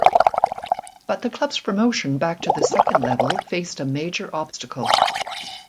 But the club's promotion back to the second level faced a major obstacle.